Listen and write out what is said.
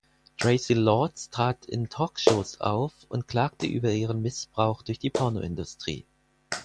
Traci Lords trat in Talkshows auf und klagte über ihren Missbrauch durch die Pornoindustrie.